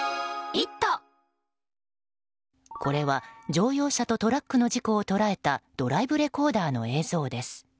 これは乗用車とトラックの事故を捉えたドライブレコーダーの映像です。